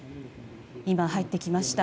今、入ってきました。